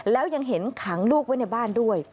แล้วยังเห็นขังลูกไว้ในบ้านด้วย